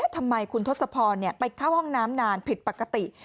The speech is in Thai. ทำไมคุณทศพรไปเข้าห้องน้ำนานผิดปกติ